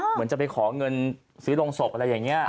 เหมือนจะไปขอเงินซื้อโรงศพอะไรอย่างนี้